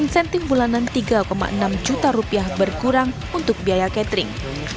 dan timbulanan rp tiga enam juta berkurang untuk biaya catering